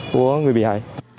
của người bị hại